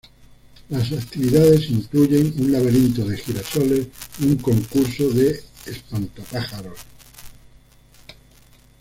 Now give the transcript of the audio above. Las actividades incluyen un laberinto de girasoles y un concurso de espantapájaros.